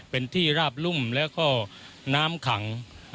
เป็นที่ราบรุ่มน้ำขัง